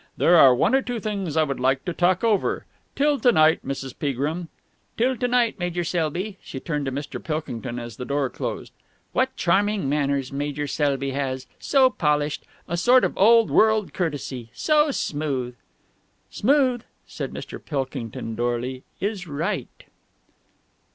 There are one or two things I would like to talk over. Till to night, Mrs. Peagrim." "Till to night, Major Selby." She turned to Mr. Pilkington as the door closed. "What charming manners Major Selby has. So polished. A sort of old world courtesy. So smooth!" "Smooth," said Mr. Pilkington dourly, "is right!"